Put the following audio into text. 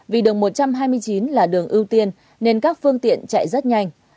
vì đường một trăm hai mươi chín là đường ưu tiên nên các phương tiện chạy rất nhanh